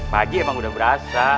pak haji emang udah berasa